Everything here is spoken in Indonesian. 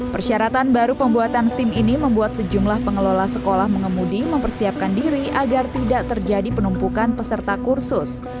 persyaratan baru pembuatan sim ini membuat sejumlah pengelola sekolah mengemudi mempersiapkan diri agar tidak terjadi penumpukan peserta kursus